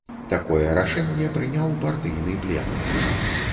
Такое рашэнне прыняў партыйны пленум.